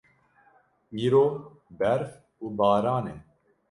Îro berf û baran e.